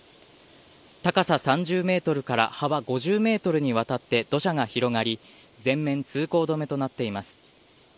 高さ３０メートルから幅５０メートルにわたって土砂が広がり、全面通行止めとなっています。